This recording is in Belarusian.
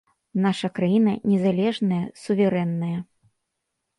Наша краіна незалежная, суверэнная.